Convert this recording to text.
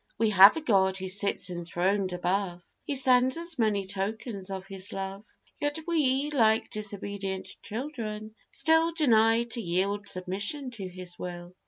We have a God who sits enthroned above; He sends us many tokens of his love: Yet we, like disobedient children, still Deny to yield submission to His will.